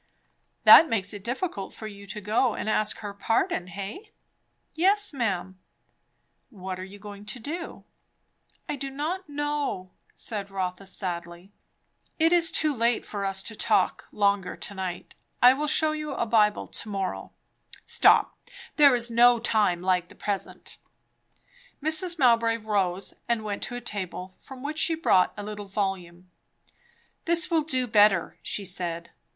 "That makes it difficult for you to go and ask her pardon, hey?" "Yes, ma'am." "What are you going to do?" "I do not know," said Rotha sadly. "It is too late for us to talk longer to night. I will shew you a Bible to morrow stop, there is no time like the present " Mrs. Mowbray rose and went to a table from which she brought a little volume. "This will do better," she said.